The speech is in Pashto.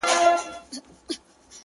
په دوزخي غېږ کي به یوار جانان و نه نیسم ـ